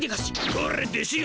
これ弟子よ。